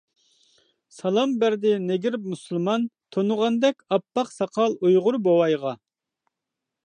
سالام بەردى نېگىر مۇسۇلمان، تونۇغاندەك ئاپئاق ساقال ئۇيغۇر بوۋايغا.